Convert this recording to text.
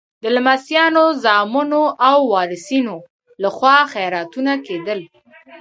د لمسیانو، زامنو او وارثینو لخوا خیراتونه کېدل.